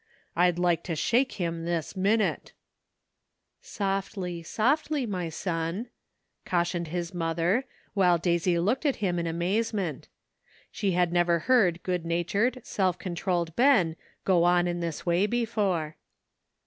I'd like to shake him this minute !"" Softly, softly, ray son I " cautioned his mother, while Daisy looked at him in amaze ment; she had never heard good natured, self controlled Ben go on in this way before.